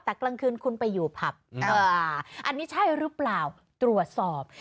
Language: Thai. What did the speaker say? แต่กลางคืนคุณไปอยู่ผับอันนี้ใช่หรือเปล่าตรวจสอบ